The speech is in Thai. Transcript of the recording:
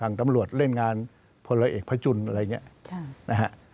ทางตำรวจเล่นงานพละเอกพจุลอะไรอย่างนี้